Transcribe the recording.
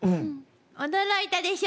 驚いたでしょ